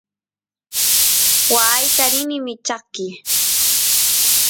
waayta rini michaqy